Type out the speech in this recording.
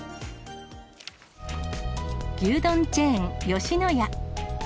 牛丼チェーン、吉野家。